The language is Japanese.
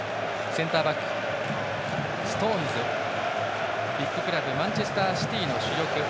センターバック、ストーンズはビッグクラブマンチェスターシティーの主力。